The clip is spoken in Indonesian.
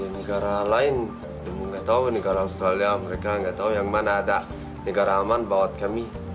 negara lain negara australia mereka nggak tahu yang mana ada negara aman bawa kami